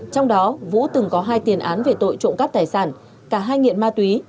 trong đó vũ từng có hai tiền án về tội trộm cắp tài sản cả hai nghiện ma túy